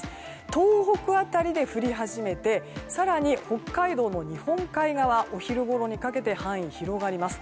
東北辺りで降り始めて更に北海道の日本海側お昼ごろにかけて範囲が広がります。